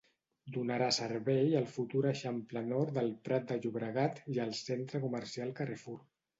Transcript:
Donarà servei al futur Eixample Nord del Prat de Llobregat i al centre comercial Carrefour.